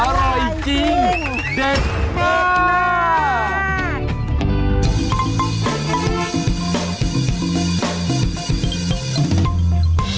อร่อยจริงเด็ดมาก